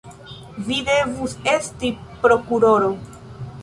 Vi devus esti prokuroro!